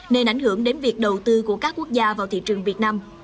nên ảnh hưởng đến việc đầu tư của các quốc gia vào thị trường việt nam